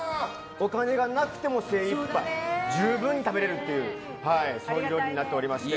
お金がなくても十分に食べれるっていう料理になっておりまして。